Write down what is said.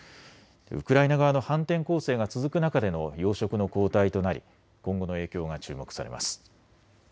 ウクライナ側の反転攻勢が続く中での要職の交代となり今後の影響が注目されます。